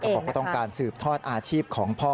เขาก็ต้องการสืบทอดอาชีพของพ่อ